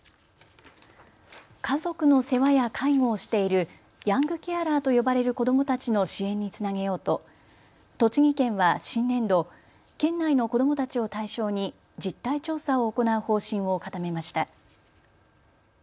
家族の世話や介護をしているヤングケアラーと呼ばれる子どもたちの支援につなげようと栃木県は新年度、県内の子どもたちを対象に実態調査を行う方針を固めました。